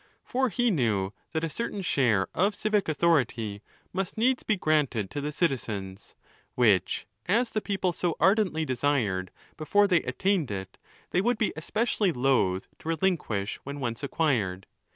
For he knew that a certain share of civic authority must needs be granted to the. citizens, which, as the people so ardently desired before they attained it, they would be especially loth to relinquish when once acquired.